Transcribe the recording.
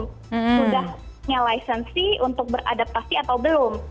sudah punya lisensi untuk beradaptasi atau belum